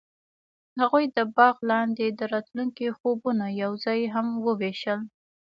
هغوی د باغ لاندې د راتلونکي خوبونه یوځای هم وویشل.